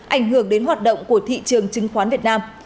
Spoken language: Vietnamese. ảnh hưởng đến hoạt động của thị trường chứng khoán việt nam